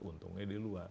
untungnya di luar